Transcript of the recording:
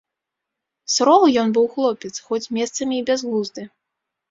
Суровы ён быў хлопец, хоць месцамі і бязглузды.